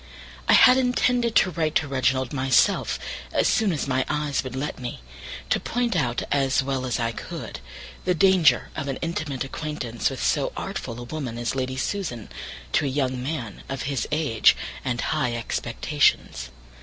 I had intended to write to Reginald myself as soon as my eyes would let me, to point out, as well as I could, the danger of an intimate acquaintance, with so artful a woman as Lady Susan, to a young man of his age, and high expectations.